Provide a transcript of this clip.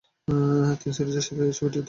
তিনি সিরিজের সাথে এই ছবিটি তৈরি করেছেন।